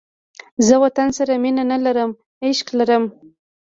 زه وطن سره مینه نه لرم، عشق لرم